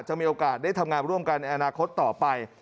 มีโอกาสได้ทำงานร่วมกันในอนาคตต่อไป